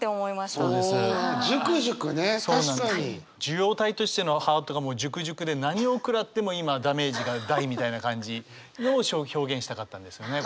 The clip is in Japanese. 受容体としてのハートがもうジュクジュクで何を食らっても今ダメージが大みたいな感じのを表現したかったんですね